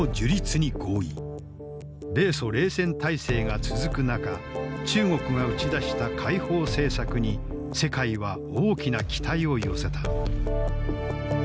米ソ冷戦体制が続く中中国が打ち出した開放政策に世界は大きな期待を寄せた。